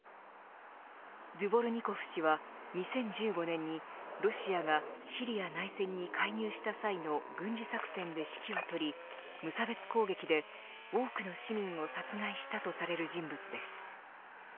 ドゥボルニコフ氏は２０１５年にロシアがシリア内戦に介入した際の軍事作戦で指揮をとり無差別攻撃で多くの市民を殺害したとされる人物です。